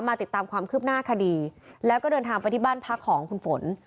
ติดตามความคืบหน้าคดีแล้วก็เดินทางไปที่บ้านพักของคุณฝน